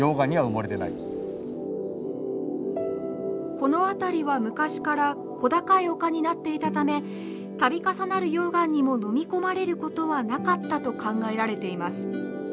この辺りは昔から小高い丘になっていたため度重なる溶岩にものみ込まれることはなかったと考えられています。